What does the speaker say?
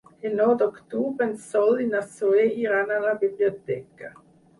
El nou d'octubre en Sol i na Zoè iran a la biblioteca.